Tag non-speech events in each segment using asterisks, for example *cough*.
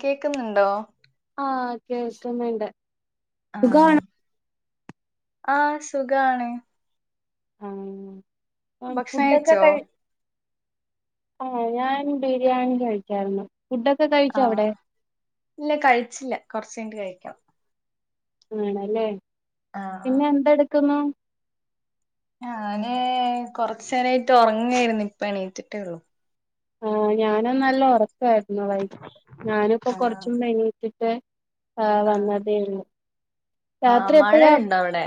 കേക്കുന്നുണ്ടോ ആഹ കേൾക്കന്ന്ണ്ട് സുഖണ ആഹ സുഖാണ് ആ ഭക്ഷണം ഫുഡൊക്കെ കഴിച്ചോ കഴി ആഹ ഞാൻ ബിരിയാണി കഴിച്ചായിരുന്നു ഫുഡൊക്കെ കഴിച്ചോ ആഹ അവിടെ ഇല്ല കഴിച്ചില്ല കൊ റച്ച്കഴിഞ്ഞ് കഴിക്കാം ആണല്ലേ ആഹ് പിന്നെ എന്തെ ടുക്കുന്നു ഞാ നെ കൊറച്ചു നേരായിട്ട് ഉറങ്ങായിരുന്നു ഇപ്പ എണീറ്റി ട്ടേ ഉള്ളു ആ ഞാന നല്ല ഉറക്കായിരുന്നു വൈകി ആഹ് ഞാനിപ്പോകൊറച്ചുള്ളൂ എണീട്ടിട്ട് ആഹ് വന്നതേനു ആഹ മഴയുണ്ടോ അവിടെ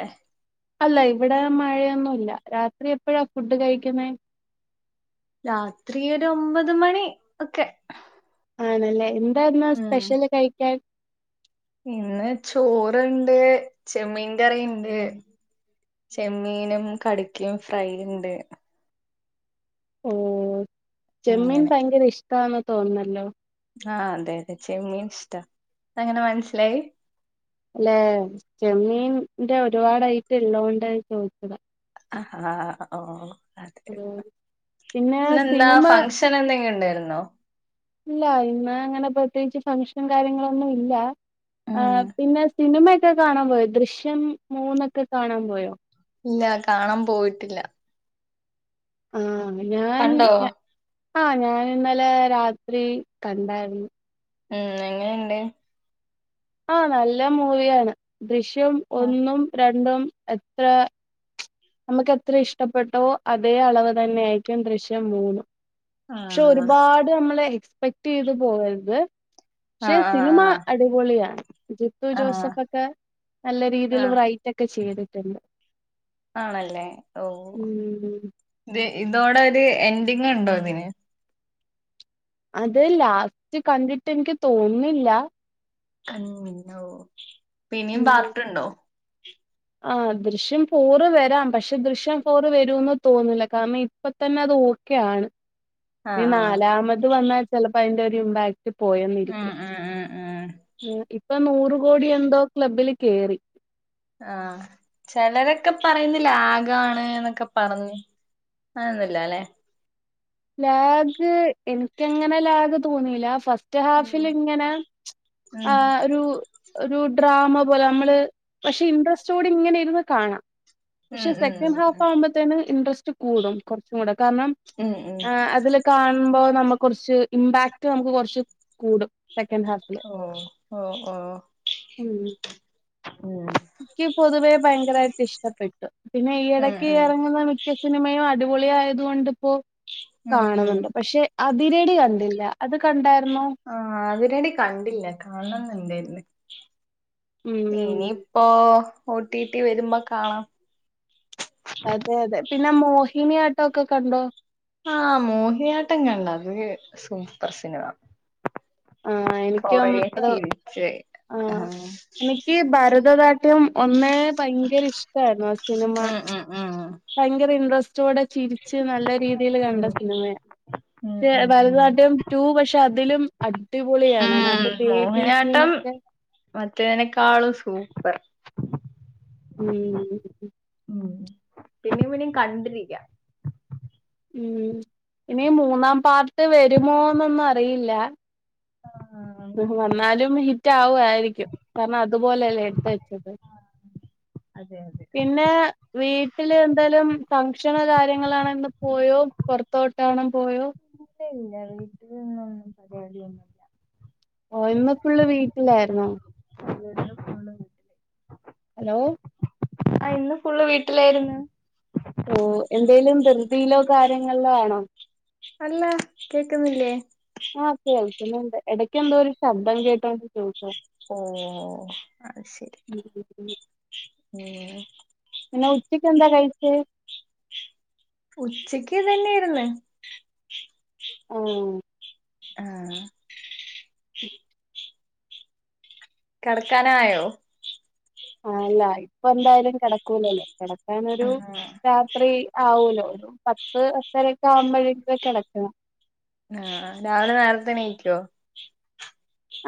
അല്ല ഇവിടെ മഴയൊന്നുല്ല രാത്രി എപ്പോഴാ ഫുഡ് കഴിക്കുന്നേ രാത്രിഒരു ഒമ്പത് മണി ഒക്കെ ആണല്ലേ എന്തായിർന്നു അവിടെ സ്പെഷ്യല് കഴിക്കാൻ പിന്ന ചോറ്ണ്ട് ചെമ്മീൻ കറിണ്ട് ചെമ്മീനും കടക്കയും ഫ്രൈ ഉണ്ട് ഓ ചെമ്മീൻ അങ്ങനെ ഭയങ്കര ഇഷ്ടന്ന് തോന്നല്ലോ ആഹ അതെ അതെ ചെമ്മീൻ ഇഷ്ടാ അങ്ങനെ മനസ്സിലായി അല്ലെ ചെമ്മീന്റെ ഒരുപാടായിട്ട് ഉള്ളതോണ്ട് ചോദിച്ചത ആ ഓ അതെതെ പിന്നെ പിന്നെന്താ സിനിമ ഫങ്ഷൻ എന്തെങ്ക ഉണ്ട് ന്നോ ഇല്ല ഇന്ന അങ്ങനെ പ്രത്യേകിച്ച് ഫങ്ക്ഷന് കാര്യങ്ങളൊന്നും ഇല്ല ആ ഉം പിന്നെ സിനിമയൊക്കെ കാണാൻ പോയോ ദൃശ്യം മൂന്നൊക്കെ കാണാൻ പോയോ ഇല്ല കാണാൻ പോയിട്ടില്ല ആ ഞാൻ കണ്ടോ ആ ഞാൻ ഇന്നലെ രാത്രി കണ്ടായിരുന്നു ഉം എങ്ങനെുണ്ട് ആഹ നല്ല മൂവിയാണ് ദൃശ്യം ആഹ് ഒന്നും രണ്ടും എത്ര നമുക്ക് എത്ര ഇഷ്ടപ്പെട്ടവോ അതേ അളവ് തന്നെ ആായിരിക്കും ദൃശ്യം മൂന്നു പക്ഷെ ആഹ് ഒരുപാട് നമ്മള് എക്സ്പെക്ട് ചെയ്ത് പോകരുത് പക്ഷെ ആഹ് സിനിമ ആഹ് അടിപൊളിയാണ് ജിത്തു ആഹ് ജോസഫ് ഒക്കെ നല്ല ആഹ് രീതിയിൽ ആഹ് റൈറ്റ് ഒക്കെ ചെയ്തിട്ടുണ്ട് ആണല്ലേ ഓ ഉം ഇതോടെ ഒരു എന്ഡിങ് ഉണ്ടോ ഇതിന് അത് ലാസ്റ്റ് കണ്ടിട്ട് എനിക്ക് തോന്നില്ല കന്ന ഓ പിന്നും പാർട്ടുണ്ടോ ആഹ ദൃശ്യം ഫോർ വരാം പക്ഷെ ദൃശ്യം ഫോറ് വരൂന്ന് തോന്നില്ല കാരണം ഇപ്പ തന്നെ അത് ഓക്കെയാണ് ആഹ് ന ആഹ് നാലാമത് വന്നാ ചിലപ്പോ അതിന്റെ ഇമ്പാക്ട് പോയന്നിരിക്ക ഉം ഉം ഉം ഉം ഇപ്പൊ നൂറ് കോടി എന്തോ ക്ലബ്ബിൽ കേറി ആഹ ചിലരൊക്കെ പറയുന്ന ലാഗാണ് എന്നൊക്കെ പറഞ്ഞു ആന്നല്ല അല്ലെ ലാഗ് എനിക്ക എങ്ങനെ ലാഗ് തോന്നില്ല ഫസ്റ്റ് ഹാഫിൽ ഉം ഇങ്ങനെ ഉം ആ ഒരു ഒരു ഡ്രാമ പോലെ നമ്മള് പക്ഷെ ഇൻട്രസ്റ്റയോടെ ഇങ്ങനെ ഇരുന്ന് കാണാം ഉം പക്ഷെ ഉം സെക്കൻഡ് ഉം ഹാഫ് ആകുമ്പത്തേെ ഇൻട്രസ്റ്റ് കൂടും കുറച്ചും കൂടെ കാരണം ഉം ഉം ആ അതില് കാണുമ്പോ നമ്മുക്ക് കുറച്ച് ഇമ്പാക്ട് നമുക്ക് കുറച്ച് കൂടും സെക്കൻഡ് ഹാഫില് ഓ ഓ ഓ ഉം എനിക്ക് പൊതുവേ ഭയങ്കരായിട്ട് ഇഷ്ടപ്പെട്ടു. പിന്നെ ഈ ഉം ഇടക്ക് ഇറങ്ങുന്ന മി സിനിമയും അടിപൊളി ആയത് കൊണ്ട്പ്പോ ഉം ഉം കാണുന്നുണ്ട്. പക്ഷെ വിരടി കണ്ടില്ല അത് കണ്ടാ ആഹ വിരടി കണ്ടില്ല കാണണെന്ന്ണ്ടേര്ന്ന് ഉം ഇനിയിപ്പോ ഒ ടി ടി വരുമ്പോ കാണാം അതെ അതെ പിന്നെ മോഹിനിയാട്ടോക്കെ കണ്ടോ? ആഹ മോഹിയാട്ടം കണ്ട്. അത് സൂപ്പർ സിനിമ ആഹ് എനിക്കും കൊറേ അത് ചിരിച്ച് ആഹ ആഹ് എനിക്ക് ഭരതനാട്യം ഒന്നേ ഭയങ്കര ഇഷ്ടായിരുന്നു ആ സിനിമ, ഉം ഉം ഉം ഭയങ്കര ഇൻട്രസ്റ്റ് ച്ചോടെ ചിരിച്ച് നല്ല രീതിയിൽ കണ്ട ഉം സിനിമയാണ് ഉം പക്ഷെ ഉം ഉം ഭരതനാട്യം ടു പക്ഷെ അതിലും അടിപൊളിയാണ്, അതിനകത്ത് ബേബിജീൻ മറ്റേനെക്കാളും സൂപ്പർ ഉം പിന്നെയും പിന്നും കണ്ടിരിക്ക ഉം ഇനി മൂന്നാം പാർട്ട് വരുമോന്നൊന്നും അറിയില്ല ആ അങ്ങനെ കണ്ടിരിക്കാം വന്നാലും ഹിറ്റ് ആവുവായിരിക്കും. കാരണം അതുപോലെല്ലേ എടുത്ത വെച്ചത് അതെ അതെ പിന്നെ വീ വീട്ടില് എന്തേലും ഫംഗ്ഷന് കാര്യങ്ങളാണന്ന് പോയോ, പൊറത്തോട്ടാണെ പോയോ ഇല്ല ഇല്ല വീട്ടിലിന്നൊന്നും പരിപാടിയൊന്നുമില്ല ഓ ഇന്ന് ഫുള്ള് വീട്ടിലായിരുന്നോ പോണം വീട്ടില് ഹലോ ആ ഇന്ന് ഫുള്ള് വീട്ടിലായിരുന്ന് ബിസിയിലോ കാര്യങ്ങളിലോ ആണോ? അല്ല കേക്കുന്നില്ലേ ആ കേൾക്കുന്നുണ്ട് എടക്ക് എന്തോ ഒരു ശബ്ദം കേട്ടോണ്ട് രിക്കുണു ഓ അത് ശരി ഉം പിന്നെ ഉച്ചക്ക് എന്താ കഴിച്ചെ? ഉച്ചക്ക് ഇതന്നെയായിരുന്ന് ആഹ് ആഹ് കെടക്കാനായോ? ആല്ല ഇപ്പ എന്തായാലും കെടക്കൂലല്ലോ, കിടക്കാനെരു ആഹ് രാത്രി ആവൂലോ, ഒരു പത്ത് പത്തരക്കെ ആവുമ്പോഴേക്ക് കിടക്കണം ആഹ രാവിലെ നേരത്തെണീക്കൊ?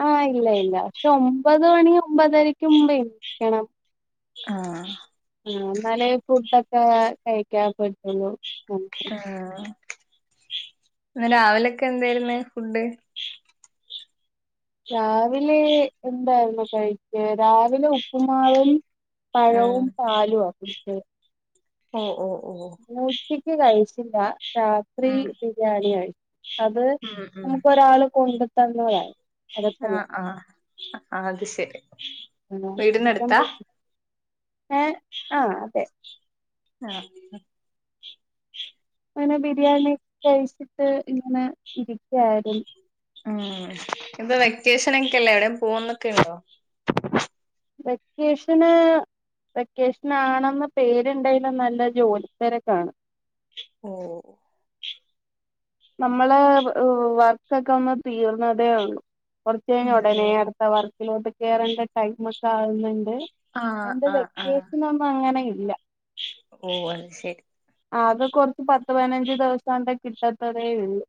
ആ ഇല്ല ഇല്ല പക്ഷെ ഒമ്പത് മണി ഒമ്പതരക്ക് മുമ്പ് എണീക്കണം ആഹ ആ ന്നാലെ ഫുഡൊക്കെ കഴിക്കാൻ പറ്റുള്ളൂ ആ, ന്ന് രാവിലൊക്കെന്തയിരുന്ന് ഫുഡ്? രാവിലെ എന്തായിരുന്നു കഴിച്ചേ.. രാവിലെ ഉപ്പുമാവും ഉം പഴവും പാലുവാ കുടിക്കല് ഓ ഓ ഓ ച്ചക്ക് കഴിച്ചില്ല. രാത്രി ഉം ബിരിയാണിയ കഴി അത് ഉം ഉം നമുക്ക് ഒരാള് കൊണ്ടു തന്നതായി ആ അടുത്തല്ല ആ അത് ശരി വീടിന്നടുത്താ ഏ ആ അതെ ആ *unintelligible* ങ്ങനെ ബിരിയാണി കഴിച്ചിട്ട് ഇങ്ങനെ ഇരിക്കായിരുന്നു ഉം. പ്പ വെക്കേഷനൊക്കല്ലേ എവിടേം പോവുന്നൊക്കെ ഉണ്ടോ വെക്കേഷന് വെക്കേഷനാണെന്ന പേരുണ്ടായിലും നല്ല ജോലിത്തിരക്കാണ് ഓ നമ്മളെ ഹ്‌ വർക്കൊക്കെ ഒന്ന് തീർന്നതേ ള്ളു കുറച്ചയിനെ ഉം ഉം ഉടനെഅടുത്തവർക്കിലോട്ട് കേറേണ്ട ടൈമ് ഒക്കെ ആകുന്നുണ്ട് ആഹ് ഓന്റെ ആഹ് ആഹ് വെക്കേഷൻ ആകുമ്പോ അങ്ങനെയിരിക്കും ല്ല ഓ അത് ശരി അ അത് കൊറച്ച് പത്ത് പതിനഞ്ച് ദിവസം ആകുമ്പോ കിട്ടത്ത് ത്തതെയുള്ളു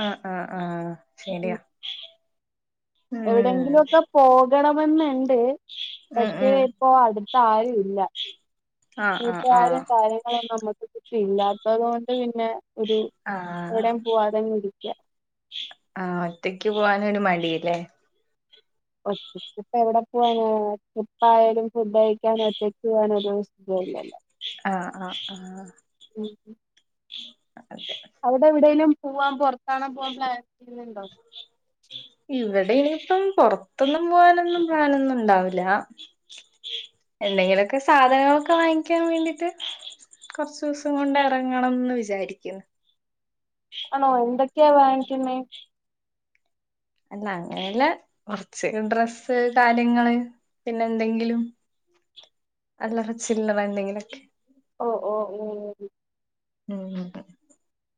ആഹ ആഹ ആഹ് ശരിയാ ഉം എവിടെയങ്കിലും ഒക്കെ പോകണമെന്ന്ണ്ട് ഉം പക്ഷെ ഉം ഇപ്പോ അടു പ്പ ആരുല്ല ആഹ് ആഹ് കൂട്ടുകാരും ആഹ് കാര്യങ്ങളും നമ്മുക്ക് കി ല്ലാത്തത് കൊണ്ട് പിന്നെ ഒരു ആ ആ എവിടെയും പോവാതെങ്ങ് ഇരിക്ക ആ ഒറ്റക്ക് പോവാനൊരു മടി ലിലേ ഒറ്റക്കിപ്പ എവിടെ പോവാന ഒറ്റ ഇപ്പ ആയാലും ഫുഡഴിക്കാൻ ഒറ്റക്ക് പോകാനൊരു സു ഇല്ല ല്ല ആ ആ ആ അവിടെ എവിടെേലും പോവാൻ പൊറത്താണോ പോവാൻ പ്ലനുണ്ടോ ഇവിടെ ഇനിപ്പം പുറത്തൊന്നും പോവാനൊന്നും പ്ലാനൊന്നുംണ്ടാവില്ല എന്തെങ്കിലൊക്കെ സാധനങ്ങളൊക്കെ വാങ്ങിക്കാൻ വേണ്ടീട്ട് കൊറച്ചു ദിവസം കൊണ്ട് ഇറങ്ങണംന്ന് വിചാരിക്കുന്നു ആണോ എന്തൊക്കെയാ വാങ്ങിക്കുന്നേ അല്ല അങ്ങനെയല്ല കുറച്ച് ഡ്രസ്സ് കാര്യങ്ങള് പിന്നെ എന്തെങ്കിലും അല്ലറ ചില്ലറ എന്തെങ്കിലോക്കെ ഓ ഓ ഓഓ ഉം തെ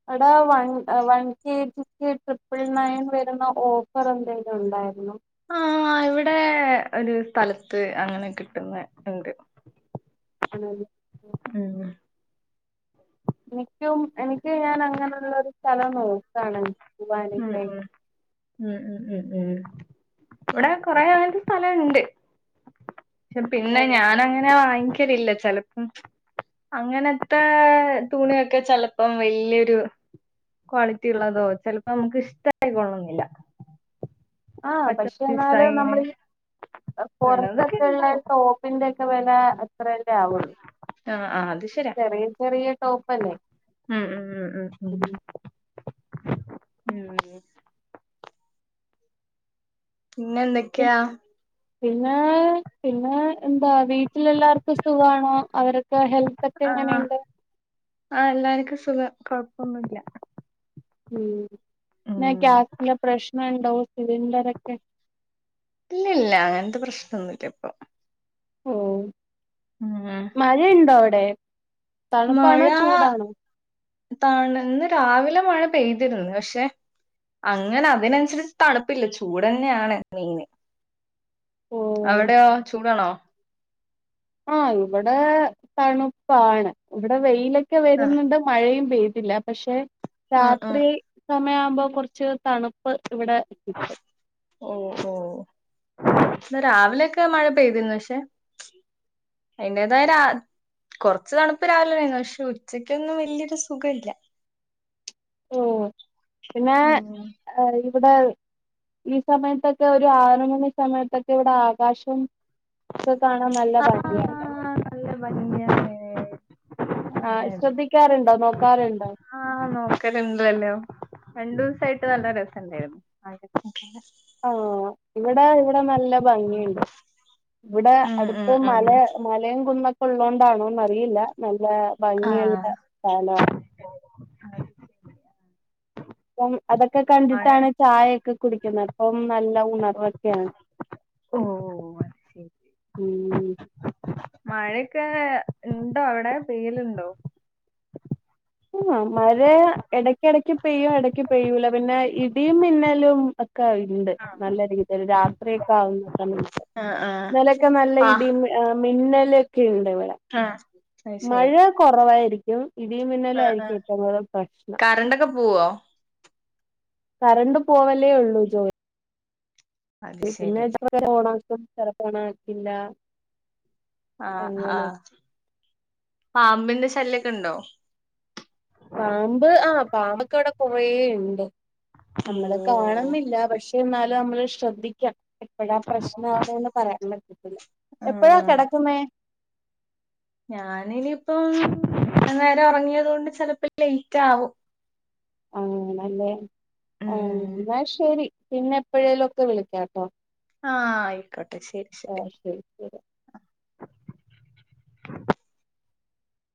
അവിടാ വൺ വൺ കെ ജിക്ക് ട്രിപ്പിൾ നയൻ വരുന്ന ഓഫർ എന്തെലും ഉണ്ടായിരുന്നോ ആഹ ആ ഇവിടെ ഒരു സ്ഥലത്ത് അങ്ങനെ കിട്ടുന്ന ഇണ്ട് *unintelligible* ഉം എനിക്കും എനിക്ക് ഞാൻ അങ്ങനെയുള്ള ഒരു സ്ഥലം നോക്കാണ് ഉം പൂവാനൊക്കെ ഉം ഉം ഉം ഉം ഉം ഇവിടെ കൊറെ *unintelligible* സ്ഥലംണ്ട് പക്ഷെ ഓ, പിന്നെ ഞാൻ അങ്ങനെ വാങ്ങിക്കലില്ല ചിലപ്പോ ഉം അങ്ങനത്തെ തുണിയൊക്കെ ചിലപ്പം വല്യോരു ക്വാളിറ്റി ഉള്ളതോ ചിലപ്പോ നമുക്ക് ഇഷ്ടായി കൊള്ളണംന്നില്ല ആഹ പക്ഷെ എന്നാലും നമ്മളീ ഉള്ളതൊക്കെ പൊറത്തൊക്കെ ഉള്ള ഉണ്ടാവും ടോപ്പിന്റെ ഒക്കെ വെല അത്രല്ലേ ആവുള്ളൂ ആഹ് ആഹ് അത് ശരിയാ ചെറിയ ചെറിയ ടോപ്പ് ഉം ഉം ഉം ഉം ഉം ഉം പിന്ന പി- എന്തൊക്കെയാ പിന്നെ പിന്നെ എന്താ വീട്ടിലെല്ലാവർക്കും സുഖാണോ അവരൊക്കെ ഹെൽത്ത് ഒക്കെ ആഹ് എങ്ങനുണ്ട് ആഹ് എല്ലാർക്കും സുഖം കൊഴപ്പൊന്നുല്ല ഉം പിന്നെ ഉം ഗ്യാസിന്റെ പ്രശ്നണ്ടോ സിലിണ്ടർ ഒക്കെ ഇല്ല ഇല്ല അങ്ങനത്തെ പ്രശ്നൊന്നുംല്ല ഇപ്പൊ ഓ ഉം മഴണ്ടോ അവിടെ തണുപ്പാണോ ചൂടാണോ ത ഇന്ന് രാവിലെ മഴ പെയ്തിരുന്നു പക്ഷെ അങ്ങനെ അതിനനുസരിച്ച് തണുപ്പില്ല ചൂട്ന്നെയാണ് മെന് ഓ അവിടെയോ ചൂടാണോ ആ ഇവിടെ തണുപ്പാണ് ഇവിടെ വെയിലൊക്കെ ആഹ് വരുന്നുണ്ട് മഴയും പെയ പക്ഷെ ആഹ് ആഹ് രാത്രി സമയ ആവുമ്പോ കുറച്ച് തണുപ്പ് ഇവിടെ കിട്ടും ഓ ഓ രാവിലെയൊക്കെ മഴ പെയ്തിരുന്നു പക്ഷെ അതിന്റേതായ കുറച്ച്ു തണുപ്പ് രാവിലെരുന്നു പക്ഷെ ഉച്ചക്കൊന്നും വല്ിയൊരു സുഖ ഇല്ല ഓ പിന്നെ ഉം ഇവിടെ ഈ സമയത്തൊക്കെ ഒരു ആറ മണി സമയത്തൊക്കെ ഇവിടെ ആകാശം ഒക്ക കാണാൻ നല്ല ആഹ് പാട്ടിയാണ് അതെതെ നോക്കാറുണ്ടോ ആഹ നോക്കലണ്ടല്ലോ രണ്ടു ദിവസായിട്ട് നല്ല രസം ഉണ്ടായിരുന്നു ആഹ ഇവിടെ ഇവിടെ നല്ല ഭംഗിയുണ്ട് ഇവിടെ ഉം ഉം അടുത്ത് ഉം മല മലയും കുന്നൊക്കെ ഉള്ളതുകൊണ്ടാണോന്ന് അറിയില്ല ന ല്ല ഭംഗിയുള്ള സാന ആ അപ്പം അതൊക്കെ കണ്ടിട്ടാണ് ചായൊക്കെ കുടിക്കുന്നത് അപ്പം നല്ല ഉണർവൊക്കെയാണ് ഓഹ് അത് ശരി ഉം മഴയൊക്കെ ഇണ്ടോ അവിടെ പെയ്യലുണ്ടോ? ആ മഴ ഇടക്ക ഇടക്ക് പെയ്യും ഇടക്ക് പെയ്യൂല പിന്നെ ഇടിയും മിന്നലും..... ക്കെ ഉണ്ട് ആഹ് നല്ല രീതിൽ രാത്രിയൊക്കെ ആവുന്ന സമയ... ആഹ് ആഹ് ഇന്നലൊക്കെ നല്ല ആഹ് ഇടിയും ഏ..... മിന്നലൊക്കെ ഉണ്ട് ഇവിടെ അത് ശരി മഴ കുറവായിരിക്കും ഇടിയും...... ആഹ് ആഹ് *unintelligible* പ്രശ്നം. കറണ്ടൊക്കെ പോവോ കറണ്ട് പോവലേ ഉള്ളൂ ജോയ്. അത് പിന്ന ശരി ചെലപ്പോണാക്കും ചെലപ്പോണാക്കില്ല. ആഹ ആഹ പാമ്പിന്റെ ശല്യൊക്കെ ഉണ്ടോ? പാമ്പ് ആഹ പാമ്പക്ക വടെ കുറേണ്ട്. നമ്മള് ഓഹ് കാണുന്നില്ല പക്ഷെ എന്നാലും നമ്മള് ശ്രദ്ധിക്കാം. എപ്പഴാ പ്രശ്ന ആവ്വാന്ന് പറയാൻ പറ്റത്തില്ല എപ്പോഴാ കിടക്കുന്നേ? ഞാനിനിപ്പം ആ നേരം ഉറങ്ങിയത് കൊണ്ട് ചിലപ്പോ ലേറ്റ് ആവും. ആഹ നല്ലേ ആ ഉം എന്നാ ശരി പിന്നെ എപ്പോഴേലും ഒക്കെ വിളിക്കാ. ആഹ ആയിക്കോട്ടെ ശരി ആ ശരി. ശരി